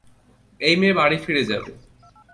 এই মেয়ে বাড়ি ফিরে যাবে।